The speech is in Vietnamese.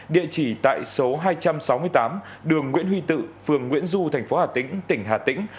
địa chỉ tại số hai trăm sáu mươi tám đường nguyễn huy tự phường nguyễn du thành phố hà tĩnh tỉnh hà tĩnh